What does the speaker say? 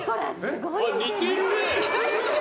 似てるね！